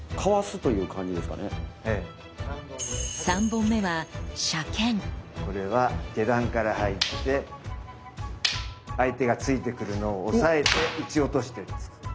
３本目はこれは下段から入って相手が突いてくるのを押さえて打ち落としてるんです。